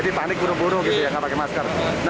jadi panik buru buru gitu ya gak pakai masker